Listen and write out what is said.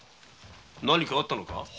何かあったのか？